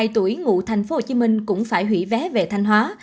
ba mươi hai tuổi ngụ thành phố hồ chí minh cũng phải hủy vé về thanh hóa